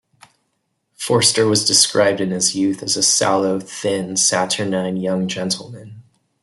Forster was described in his youth as a "sallow, thin, saturnine young gentleman".